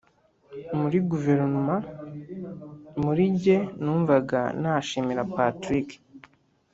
muri guverinoma. Muri jye numvaga nashimira Patrick